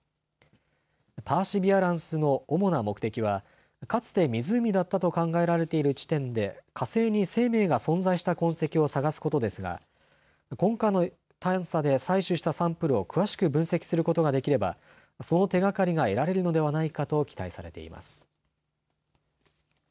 パーシビアランスの主な目的はかつて湖だったと考えられている地点で火星に生命が存在した痕跡を探すことですが今回の探査で採取したサンプルを詳しく分析することができればその手がかりが得られるのではないかと期待されています。